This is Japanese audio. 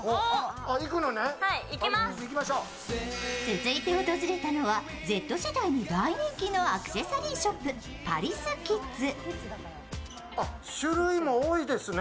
続いて訪れたのはＺ世代に大人気のアクセサリーショップパリスキッズ。